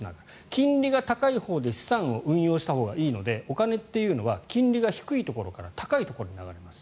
金利が高いほうで資産を運用したほうがいいのでお金というのは金利が低いところから高いところに流れます。